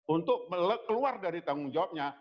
untuk keluar dari tanggung jawabnya